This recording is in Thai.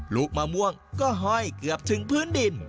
ลูกมะม่วงก็ห้อยเกือบถึงพื้นดิน